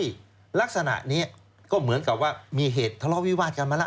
ลักษณะนี้ก็เหมือนกับว่ามีเหตุทะเลาะวิวาดกันมาแล้ว